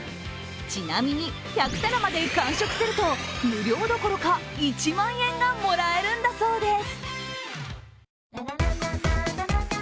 ちなみに１００皿まで完食すると無料どころか１万円がもらえるんだそうです。